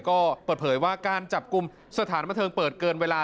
ก็เปิดเผยว่าการจับกลุ่มสถานบันเทิงเปิดเกินเวลา